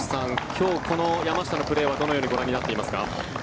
今日のこの山下のプレーはどうご覧になっていますか？